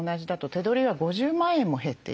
手取りは５０万円も減っている。